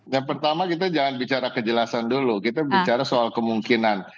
yang pertama kita jangan bicara kejelasan dulu kita bicara soal kemungkinan